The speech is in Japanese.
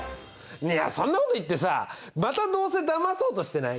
いやそんなこと言ってさまたどうせだまそうとしてない？